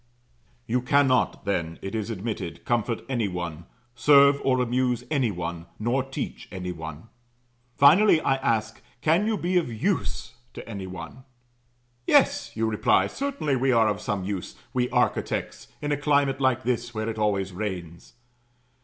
You cannot, then, it is admitted, comfort any one, serve or amuse any one, nor teach any one. Finally, I ask, Can you be of Use to any one? "Yes," you reply; "certainly we are of some use we architects in a climate like this, where it always rains."